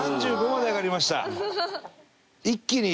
３５まで上がりました。